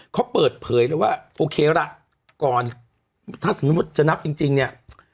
เขาเปิดเผยเลยว่าโอเคละก่อนถ้าสมมุติจะนับจริงเนี่ย